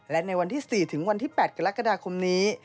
และในวันที่๔ถึงวันที่๘กรกฎาคมนี้